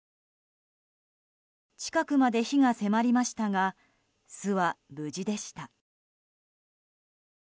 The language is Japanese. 近くまで火が迫りましたが巣は無事でした。